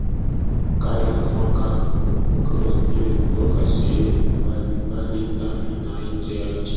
Kila mwaka tunapokea wageni kutoka sehemu mbali mbali ndani na nje ya nchi